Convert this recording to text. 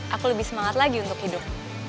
aku lebih semangat lagi untuk hidup